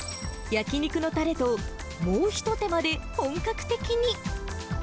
焼き肉のたれと、もう一手間で本格的に。